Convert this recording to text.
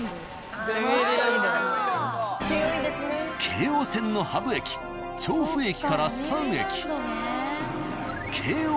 京王線のハブ駅調布駅から３駅。